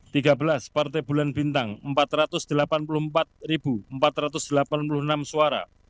tiga belas partai bulan bintang empat ratus delapan puluh empat empat ratus delapan puluh enam suara